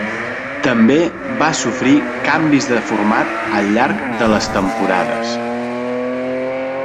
També va sofrir canvis de format al llarg de les temporades.